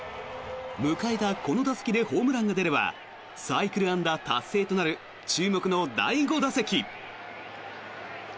迎えたこの打席でホームランが出ればサイクル安打達成となる注目の第５打席。